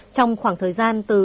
trong khoảng thời gian từ